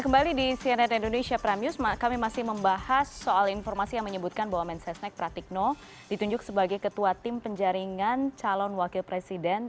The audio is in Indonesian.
kembali di cnn indonesia prime news kami masih membahas soal informasi yang menyebutkan bahwa mensesnek pratikno ditunjuk sebagai ketua tim penjaringan calon wakil presiden